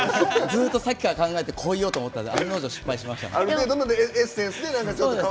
ずっとさっきから考えてこう言おうと思ったら案の定、失敗しました。